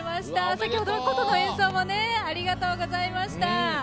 先ほどは琴の演奏もありがとうございました。